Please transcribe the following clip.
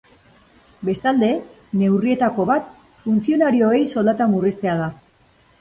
Bestalde, neurrietako bat funtzionarioei soldata murriztea da.